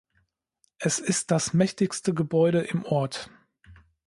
Es ist das mächtigste Gebäude im Ort.